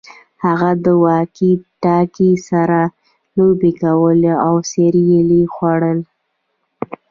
هغه د واکي ټاکي سره لوبې کولې او سیریل یې خوړل